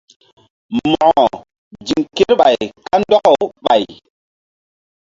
Mo̧ko ziŋ kerɓay kandɔkaw ɓay.